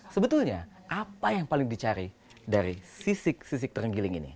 sebetulnya apa yang paling dicari dari sisik sisik terenggiling ini